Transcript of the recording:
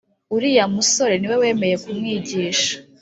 uriya musore niwe wemeye kumwigisha